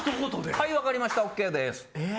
・「はいわかりましたＯＫです」。